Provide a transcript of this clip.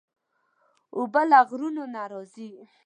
اوبه له غرونو نه راځي.